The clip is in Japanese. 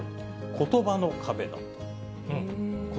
ことばの壁。